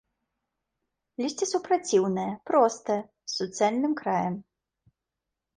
Лісце супраціўнае, простае, з суцэльным краем.